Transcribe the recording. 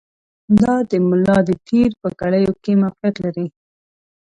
دا د ملا د تېر په کړیو کې موقعیت لري.